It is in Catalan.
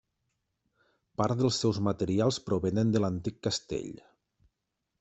Part dels seus materials provenen de l'antic castell.